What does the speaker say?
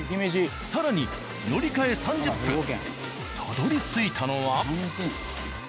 更に乗り換え３０分たどりついたのは。